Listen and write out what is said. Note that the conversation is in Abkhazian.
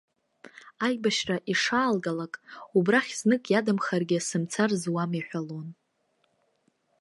Аибашьра ишаалгалак, убрахь знык иадамхаргьы сымцар зуам иҳәалон.